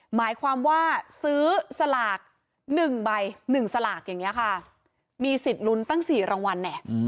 หมายความว่าซื้อสลากหนึ่งใบหนึ่งสลากอย่างเงี้ยค่ะมีสิทธิ์ลุ้นตั้งสี่รางวัลเนี่ย